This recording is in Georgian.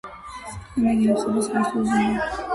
მასალა ინახება საქართველოს ეროვნული მუზეუმის გურჯაანის საცავში.